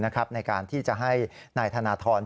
นะครับในการที่จะให้นายถนาธร์